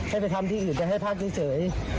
ให้ไปทำที่อื่นไปให้พักเฉย